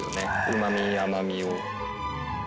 うまみ甘みを。